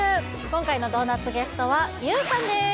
今回のドーナツゲストはＹＯＵさんです